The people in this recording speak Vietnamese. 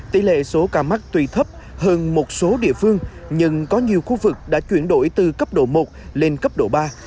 tỷ lệ số ca mắc tùy thấp hơn một số địa phương nhưng có nhiều khu vực đã chuyển đổi từ cấp độ một lên cấp độ ba